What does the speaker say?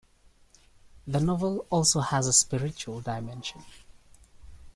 The novel also has a spiritual dimension.